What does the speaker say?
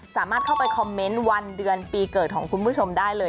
สามารถเข้าไปคอมเมนต์วันเดือนปีเกิดของคุณผู้ชมได้เลย